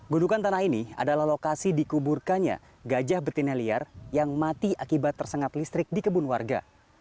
gundukan tanah ini adalah lokasi dikuburkannya gajah betina liar yang mati akibat tersengat listrik di kebun warga